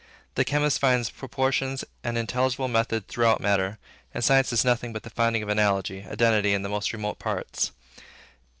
The chemist finds proportions and intelligible method throughout matter; and science is nothing but the finding of analogy, identity, in the most remote parts.